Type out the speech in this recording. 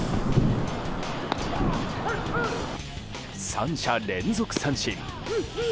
３者連続三振。